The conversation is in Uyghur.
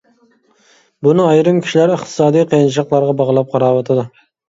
بۇنى ئايرىم كىشىلەر ئىقتىسادىي قىيىنچىلىقلارغا باغلاپ قاراۋاتىدۇ.